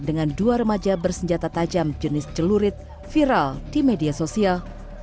dengan dua remaja bersenjata tajam jenis celurit viral di media sosial